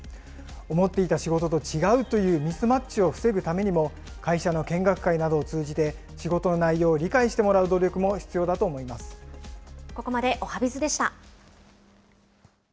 思っていた仕事と違うというミスマッチを防ぐためにも、会社の見学会などを通じて、仕事の内容を理解してもらう努力も必要だと思ここまでおはＢｉｚでした。